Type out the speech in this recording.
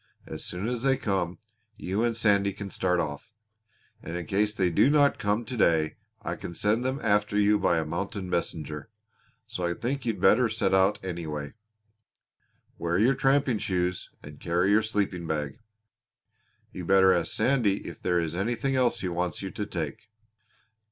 As soon as they come you and Sandy can start off; and in case they do not come to day I can send them after you by a mounted messenger. So I think you'd better set out anyway. Wear your tramping shoes and carry your sleeping bag. You better ask Sandy if there is anything else he wants you to take."